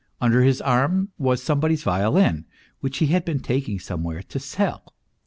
Under hi.s arm was somebody's violin, which he had been taking some where to sell.